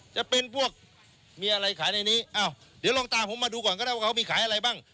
จะเป็นพวกมีอะไรขายในนี้อ้าวเดี๋ยวลองตามผมมาดูก่อนก็ได้ว่าเขามีขายอะไรบ้าง